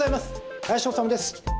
林修です。